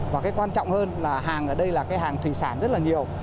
và cái quan trọng hơn là hàng ở đây là cái hàng thủy sản rất là nhiều